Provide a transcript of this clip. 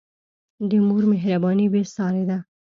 د مور مهرباني بېساری ده.